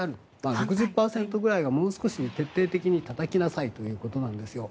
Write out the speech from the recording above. ６０％ぐらいはもう少し徹底的にたたきなさいということなんですよ。